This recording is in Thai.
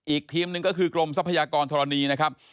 อีกทีมหนึ่งก็คือกรมทรัพยากรธรณีนะครับ